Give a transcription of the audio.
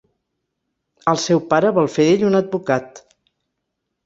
El seu pare vol fer d'ell un advocat.